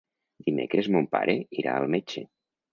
Dimecres mon pare irà al metge.